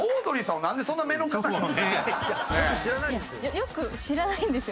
よく知らないんですよ。